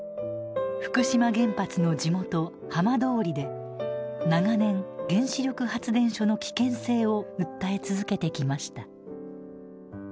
福島原発の地元浜通りで長年原子力発電所の危険性を訴え続けてきました。